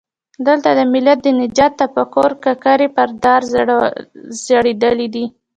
دلته د ملت د نجات تفکر ککرۍ پر دار ځړېدلي دي.